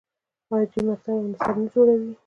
آیا دوی مکتبونه او نصاب نه جوړوي؟